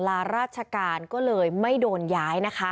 ลาราชการมั้ยดูยาย